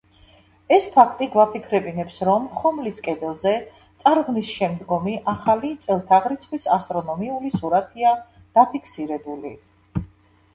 ეს ფაქტი გვაფიქრებინებს, რომ ხომლის კედელზე წარღვნის შემდგომი ახალი წელთაღრიცხვის ასტრონომიული სურათია დაფიქსირებული.